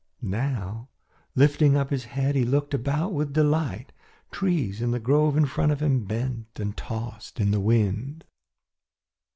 Now, lifting up his head, he looked about with delight. Trees in the grove in front of him bent and tossed in the wind.